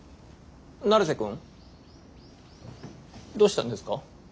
成瀬くん？どうしたんですか？